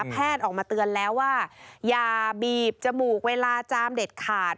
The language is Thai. แพทย์ออกมาเตือนแล้วว่าอย่าบีบจมูกเวลาจามเด็ดขาด